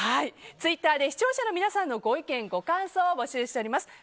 ツイッターで視聴者の皆さんのご意見、ご感想を募集しています。